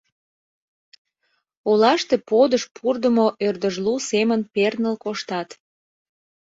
Олаште подыш пурдымо ӧрдыжлу семын перныл коштат.